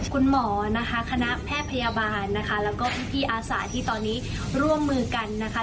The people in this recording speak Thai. คุณหมอนะคะคณะแพทย์พยาบาลนะคะแล้วก็พี่อาสาที่ตอนนี้ร่วมมือกันนะคะ